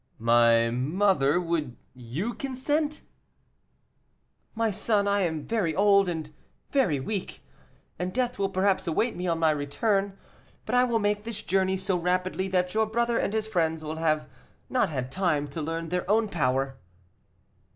"My mother, would you consent?" "My son, I am very old, and very weak, and death will perhaps await me on my return; but I will make this journey so rapidly that your brother and his friends will not have had time to learn their own power."